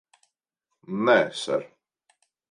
Nē, ser.